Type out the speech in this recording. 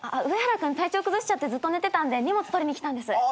上原君体調崩しちゃってずっと寝てたんで荷物取りに来たんです。